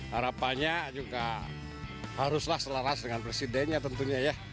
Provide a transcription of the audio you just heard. harapannya juga haruslah selaras dengan presidennya tentunya ya